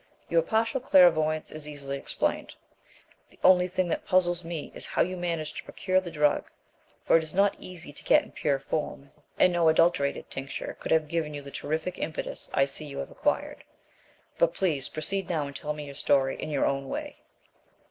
Your partial clairvoyance is easily explained. The only thing that puzzles me is how you managed to procure the drug, for it is not easy to get in pure form, and no adulterated tincture could have given you the terrific impetus I see you have acquired. But, please proceed now and tell me your story in your own way."